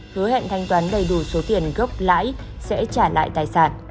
hứa hẹn thanh toán đầy đủ số tiền gốc lãi sẽ trả lại tài sản